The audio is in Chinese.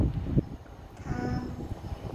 他是由比光索的长男。